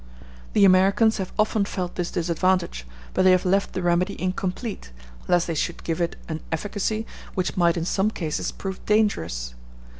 The Americans have often felt this disadvantage, but they have left the remedy incomplete, lest they should give it an efficacy which might in some cases prove dangerous.